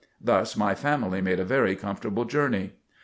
Thus my family made a very comfortable journey.